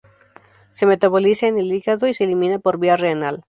Se metaboliza en el hígado y se elimina por vía renal.